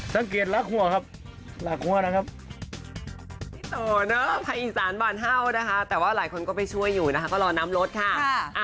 สังเกตหลักหัวครับหลักหัวนะครับ